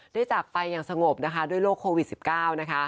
ได้จากไปอย่างสงบด้วยโรคโควิด๑๙